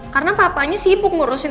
karena papanya sibuk ngurusin reina